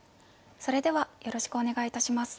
それではよろしくお願いいたします。